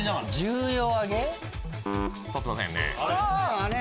取ってませんね。